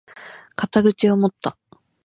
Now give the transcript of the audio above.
肩口を持った！